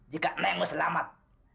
jika nengmu selamat